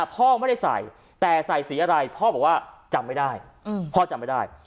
พ่อไม่ได้ใส่แต่ใส่สีอะไรพ่อบอกว่าจำไม่ได้พ่อจำไม่ได้